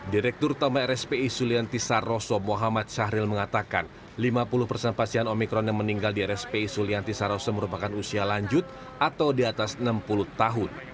direktur utama rspi sulianti saroso muhammad syahril mengatakan lima puluh persen pasien omikron yang meninggal di rspi sulianti saroso merupakan usia lanjut atau di atas enam puluh tahun